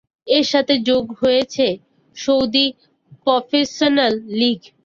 এর সাথে যোগ হয়েছে সৌদি প্রফেশনাল লীগ।